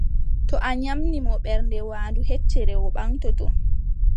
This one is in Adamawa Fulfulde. To a nyaamni mo ɓernde waandu heccere, o ɓaŋtoto.